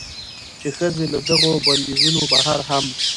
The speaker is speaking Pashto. چې ښځې له دغو بندېزونو بهر هم